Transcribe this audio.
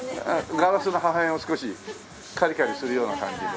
ガラスの破片を少しカリカリするような感じで。